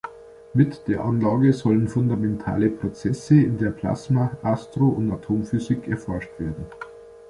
Mit der Anlage sollen fundamentale Prozesse in der Plasma-, Astro- und Atomphysik erforscht werden.